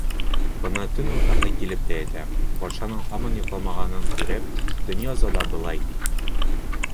Бына төн уртаһы килеп етә, батшаның һаман йоҡламағанын күреп, Донъязада былай ти: